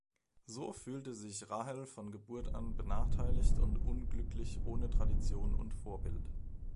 So fühlte sich Rahel von Geburt an benachteiligt und unglücklich ohne Tradition und Vorbild.